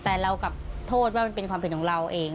แต่เรากลับโทษว่ามันเป็นความผิดของเราเอง